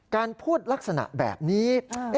การพูดลักษณะแบบนี้